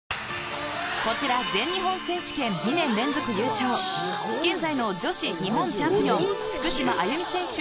こちら全日本選手権２年連続優勝現在の女子日本チャンピオン福島あゆみ選手